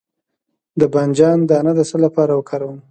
د بانجان دانه د څه لپاره وکاروم؟